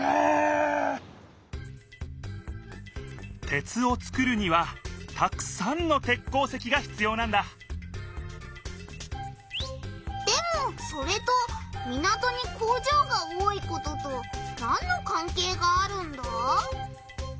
鉄を作るにはたくさんの鉄鉱石がひつようなんだでもそれと港に工場が多いこととなんのかんけいがあるんだ？